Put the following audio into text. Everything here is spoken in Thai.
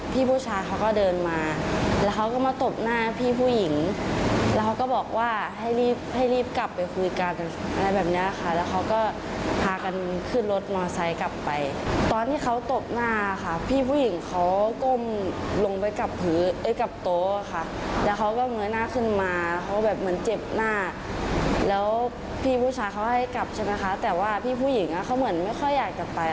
เพราะว่าพี่ผู้ชายเขาให้กลับใช่ไหมคะแต่ว่าพี่ผู้หญิงเขาเหมือนไม่ค่อยอยากจะไป